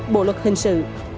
bộ luật hình sự